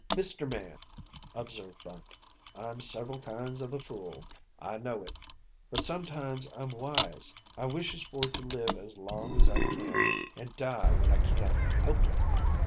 "Mister Man," observed Bunt. "I'm several kinds of a fool; I know it. But sometimes I'm wise. I wishes for to live as long as I can, an' die when I can't help it.